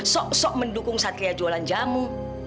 sok sok mendukung satria jualan jamu